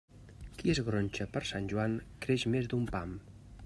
Qui es gronxa per Sant Joan, creix més d'un pam.